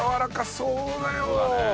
そうだね。